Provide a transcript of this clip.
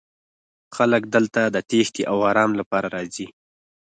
خلک دلته د تیښتې او ارام لپاره راځي